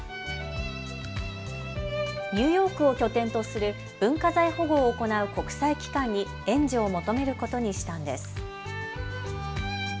ニューヨークを拠点とする文化財保護を行う国際機関に援助を求めることにしたんです。